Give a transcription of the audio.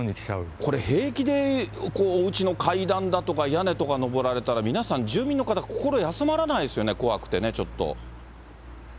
これ平気でうちの階段だとか屋根とか上られたら、住民の方、心休まらないですよね、怖くてね、ちょっと。